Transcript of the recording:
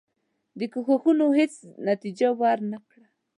دې کوښښونو هیڅ نتیجه ورنه کړه.